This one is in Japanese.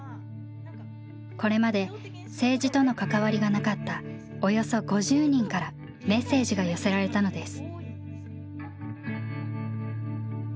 これまで政治との関わりがなかったおよそ５０人からメッセージが寄せられたのです。